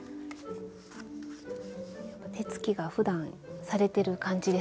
手つきがふだんされてる感じですね。